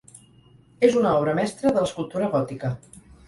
És una obra mestra de l'escultura gòtica.